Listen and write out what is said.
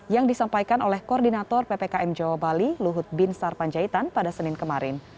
yang disampaikan oleh koordinator ppkm jawa bali luhut bin sarpanjaitan pada senin kemarin